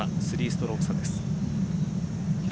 ３ストローク差です。